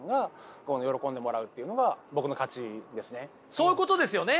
そういうことですよね？